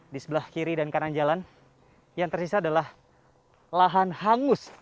di sebelah kiri dan kanan jalan yang tersisa adalah lahan hangus